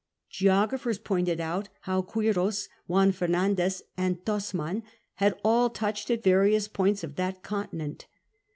Geographers pointed out how Quiros, Juan Fer nandez, and Tasman had all touched at various points of that continent.